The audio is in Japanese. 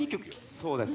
そうですね。